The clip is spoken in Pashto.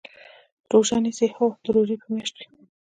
روژه نیسئ؟ هو، د روژی په میاشت کې